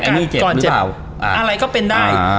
อันนี้เจ็บหรือเปล่าอ่าอะไรก็เป็นได้อ่า